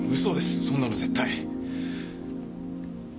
そんなの絶対！